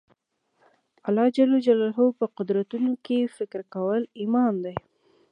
د الله جل جلاله په قدرتونو کښي فکر کول ایمان دئ.